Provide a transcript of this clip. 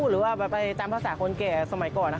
หรือว่าไปตามภาษาคนแก่สมัยก่อน